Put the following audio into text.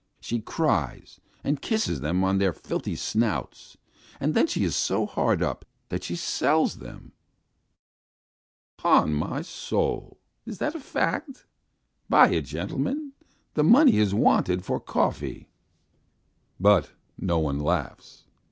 She cries, and kisses them on their filthy snouts. And then she is so hard up that she sells them. 'Pon my soul, it is a fact! Buy it, gentlemen! The money is wanted for coffee." But no one laughs.